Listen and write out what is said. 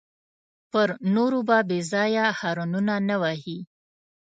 پر نورو به بېځایه هارنونه نه وهې.